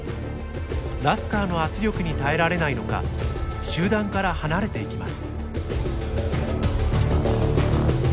ラスカーの圧力に耐えられないのか集団から離れていきます。